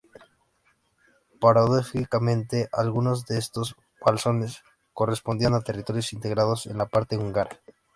Paradójicamente, algunos de estos blasones correspondían a territorios integrados en la parte húngara.